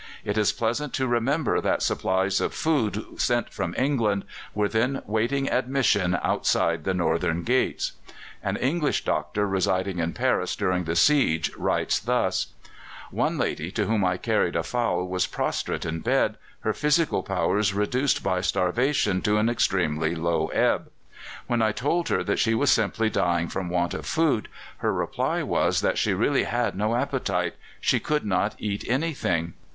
It is pleasant to remember that supplies of food sent from England were then waiting admission outside the northern gates. An English doctor residing in Paris during the siege writes thus: "One lady to whom I carried a fowl was prostrate in bed, her physical powers reduced by starvation to an extremely low ebb. When I told her that she was simply dying from want of food, her reply was that she really had no appetite; she could not eat anything.